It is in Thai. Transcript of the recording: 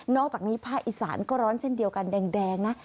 อกจากนี้ภาคอีสานก็ร้อนเช่นเดียวกันแดงนะ